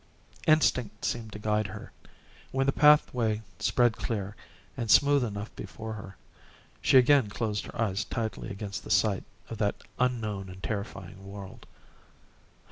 Instinct seemed to guide her. When the pathway spread clear and smooth enough before her, she again closed her eyes tightly against the sight of that unknown and terrifying world.